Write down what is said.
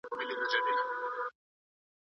دا د لیکوال پرمختګ او زده کړه ده.